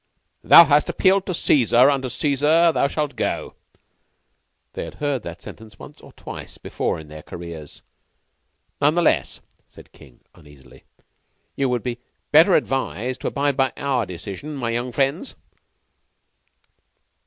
"Thou hast appealed unto Caesar: unto Caesar shalt thou go." They had heard that sentence once or twice before in their careers. "None the less," said King, uneasily, "you would be better advised to abide by our decision, my young friends."